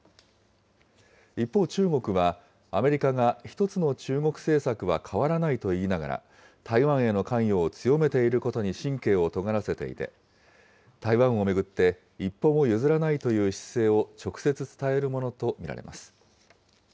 一方、中国は、アメリカが１つの中国政策は変わらないと言いながら、台湾への関与を強めていることに神経をとがらせていて、台湾を巡って、一歩も譲らないという姿勢を直接伝えるものと見られます。